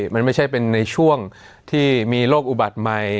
มันไม่ใช่เป็นในช่วงที่มีโรคอุบัติใหม่